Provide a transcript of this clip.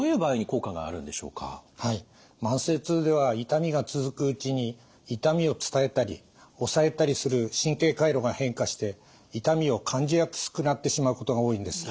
慢性痛では痛みが続くうちに痛みを伝えたり抑えたりする神経回路が変化して痛みを感じやすくなってしまうことが多いんです。